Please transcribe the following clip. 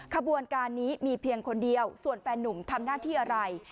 ขบวนการนี้มีเพียงคนเดียวส่วนแฟนนุ่มทำหน้าที่อะไร